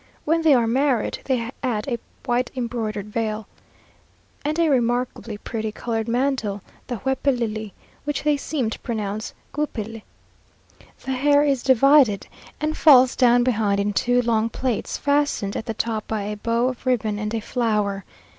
When they are married, they add a white embroidered veil, and a remarkably pretty coloured mantle the huepilli, which they seem to pronounce guipil. The hair is divided, and falls down behind in two long plaits, fastened at the top by a bow of ribbon and a flower.